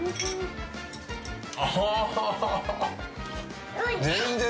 ああ。